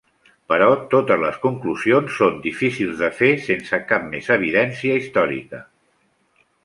Però totes les conclusions són difícils de fer sense cap més evidència històrica.